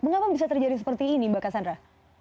mengapa bisa terjadi seperti ini mbak cassandra